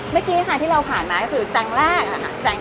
เมื่อกี้ค่ะที่เราผ่านมาก็คือจังแรกค่ะ